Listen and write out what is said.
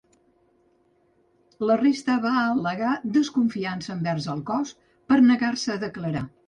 La resta van al·legar ‘desconfiança’ envers el cos per negar-se a declarar.